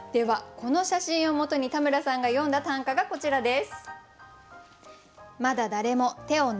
この写真をもとに田村さんが詠んだ短歌がこちらです。